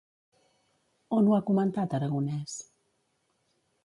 On ho ha comentat Aragonès?